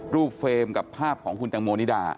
เฟรมกับภาพของคุณตังโมนิดา